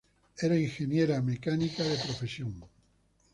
Era ingeniero mecánico de profesión.